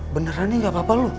beneran nih gak apa apa lo